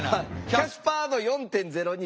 「キャスパー度４．０２」。